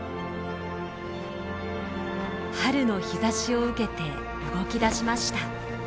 春の日ざしを受けて動き出しました。